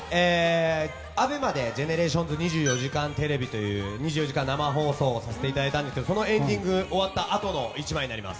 ＡＢＥＭＡで「ＧＥＮＥＲＡＴＩＯＮＳ２４時間テレビ」という２４時間生放送をさせていただいたんですがそのエンディング終わったあとの１枚になります。